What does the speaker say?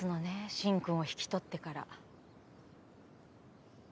進くんを引き取ってから。